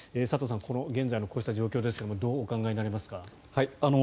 佐藤さん、現在のこうした状況どうお考えになりますか。